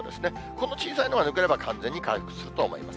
この小さいのが抜ければ完全に回復すると思います。